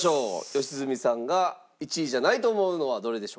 良純さんが１位じゃないと思うのはどれでしょうか？